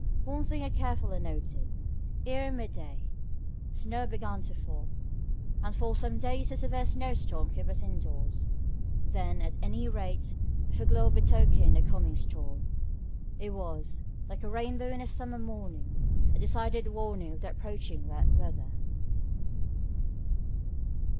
One thing I carefully noted. Ere mid day, snow began to fall, and for some days a severe snow storm kept us indoors. Then, at any rate, the foreglow betokened a coming storm. It was, like a rainbow in a summer morning, a decided warning of the approaching wet weather.